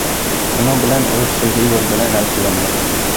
شۇنىڭ بىلەن ئۇرۇش سۈلھى يولى بىلەن ھەل قىلىندى.